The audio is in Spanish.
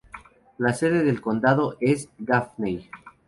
La sede del condado es Gaffney.